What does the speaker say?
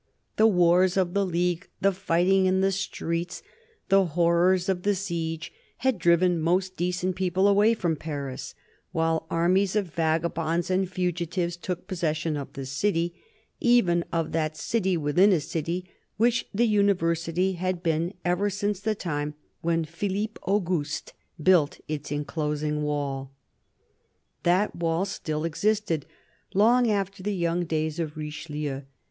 The wars of the League, the fighting in the streets, the horrors of the siege, had driven most decent people away from Paris, while armies of vagabonds and fugitives took possession of the city, even of that "city within a city," which the University had been ever since the time when Philippe Auguste built its enclosing wall. That wall still existed long after the young days of Richelieu.